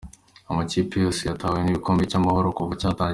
Amakipe yose yatwaye igikombe cy’Amahoro kuva cyatangira .